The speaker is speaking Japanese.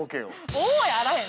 「おぉ」やあらへん。